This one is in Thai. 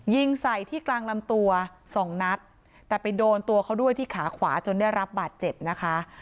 ยิงใส่ที่กลางลำตัวสองนัดแต่ไปโดนตัวเขาด้วยที่ขาขวาจนได้รับบาดเจ็บนะคะ